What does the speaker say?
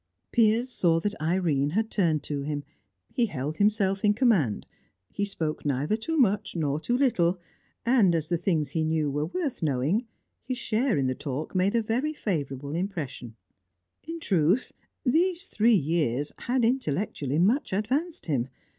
Piers saw that Irene had turned to him; he held himself in command, he spoke neither too much nor too little, and as the things he knew were worth knowing, his share in the talk made a very favourable impression. In truth, these three years had intellectually much advanced him.